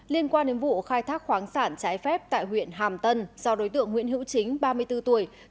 liên quan đến vụ khai thác khoáng sản trái phép tại huyện hàm tân do đối tượng nguyễn hữu chính ba mươi bốn tuổi